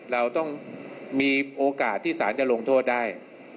เราต้องมีโอกาสที่สารจะลงโทษได้